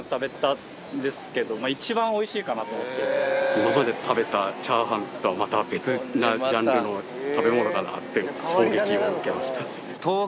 今まで食べたチャーハンとはまた別なジャンルの食べ物だなって。